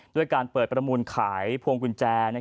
ด้วยการเปิดประมูลขายพวงกุญแจ